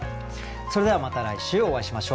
それではまた来週お会いしましょう。